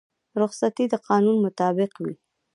رخصتي د قانون مطابق وي